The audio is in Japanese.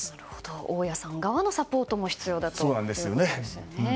大家さん側のサポートも必要だということですね。